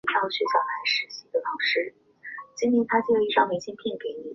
发生异常前的状态存储在栈上。